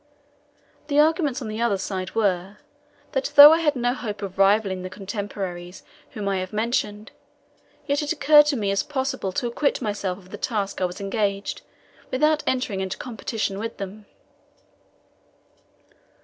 The arguments on the other side were, that though I had no hope of rivalling the contemporaries whom I have mentioned, yet it occurred to me as possible to acquit myself of the task I was engaged in without entering into competition with them.